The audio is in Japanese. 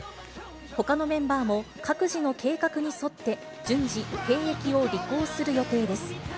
ほかのメンバーも各自の計画に沿って、順次兵役を履行する予定です。